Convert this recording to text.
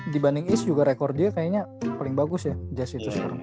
dibanding east juga rekor dia kayaknya paling bagus ya just itu sekarang